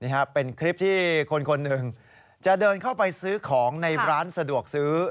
นี่ครับเป็นคลิปที่คนคนหนึ่งจะเดินเข้าไปซื้อของในร้านสะดวกซื้อ